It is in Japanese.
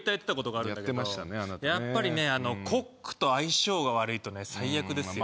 あなたねやっぱりねコックと相性が悪いとね最悪ですよ